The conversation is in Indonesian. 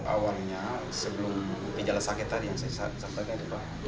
awalnya sebelum benjolan sakit tadi yang saya sakitkan itu pak